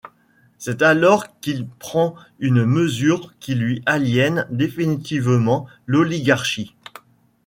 C'est alors qu'il prend une mesure qui lui aliène définitivement l'oligarchie.